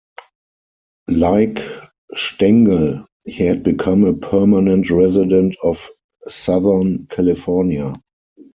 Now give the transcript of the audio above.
Like Stengel, he had become a permanent resident of Southern California.